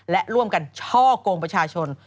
และร่วมกันช่อกงประชาชน